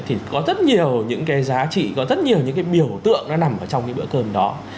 thì có rất nhiều những cái giá trị có rất nhiều những cái biểu tượng nó nằm trong cái bữa cơm đó